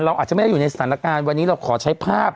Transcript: อาจจะไม่ได้อยู่ในสถานการณ์วันนี้เราขอใช้ภาพ